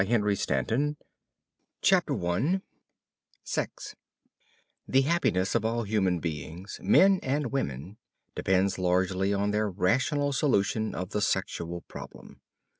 LOVE AND SEX 57 CHAPTER I SEX The happiness of all human beings, men and women, depends largely on their rational solution of the sexual problem.